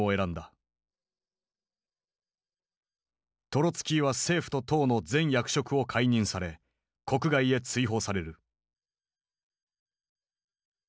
トロツキーは政府と党の全役職を解任され国外へ追放される。